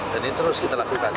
dan ini terus kita lakukan